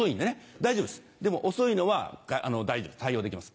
大丈夫ですでも遅いのは大丈夫対応できます。